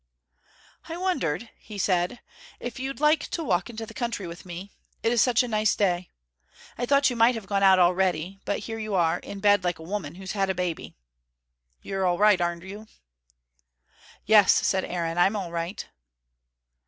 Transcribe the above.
"I wondered," he said, "if you'd like to walk into the country with me: it is such a nice day. I thought you might have gone out already. But here you are in bed like a woman who's had a baby. You're all right, are you?" "Yes," said Aaron. "I'm all right."